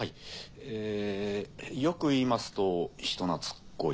えよく言いますと人なつっこい。